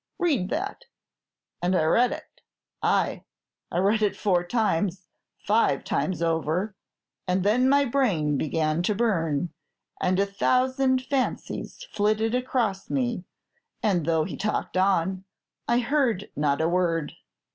Read that." And I read it, ay, I read it four times, five times over; and then my brain began to burn, and a thousand fancies flitted across me, and though he talked on, I heard not a word.